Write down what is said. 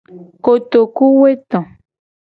Kotokuwoeto.